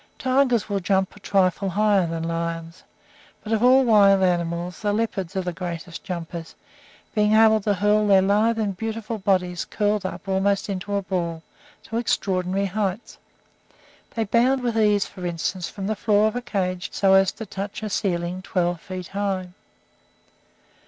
Tigers will jump a trifle higher than lions. But of all wild animals, the leopards are the greatest jumpers, being able to hurl their lithe and beautiful bodies, curled up almost into a ball, to extraordinary heights. They bound with ease, for instance, from the floor of the cage so as to touch a ceiling twelve feet high.